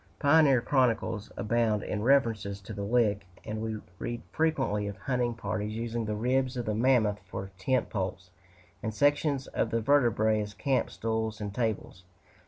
Pioneer chronicles abound in references to the Lick, and we read frequently of hunting parties using the ribs of the mammoth for tent poles, and sections of the vertebræ as camp stools and tables.